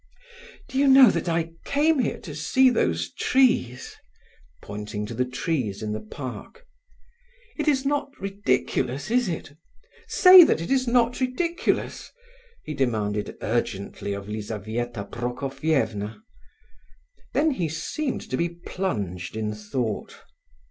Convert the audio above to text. "Do you know that I came here to see those trees?" pointing to the trees in the park. "It is not ridiculous, is it? Say that it is not ridiculous!" he demanded urgently of Lizabetha Prokofievna. Then he seemed to be plunged in thought.